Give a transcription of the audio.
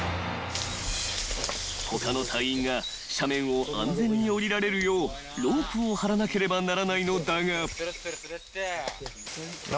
［他の隊員が斜面を安全におりられるようロープを張らなければならないのだが］